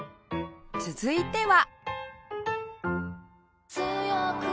続いては